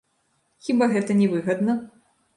Хіба гэта не выгадна?